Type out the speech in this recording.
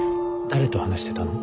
誰と話してたの？